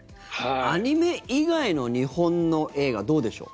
アニメ以外の日本の映画どうでしょう。